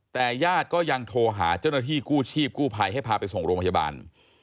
แต่ญาติก็ยังโทรหาเจ้าหน้าที่กู้ชีพกู้ภัยให้พาไปส่งโรงพยาบาล